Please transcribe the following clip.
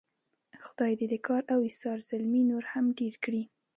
خدای دې د کار او ایثار زلمي نور هم ډېر کړي.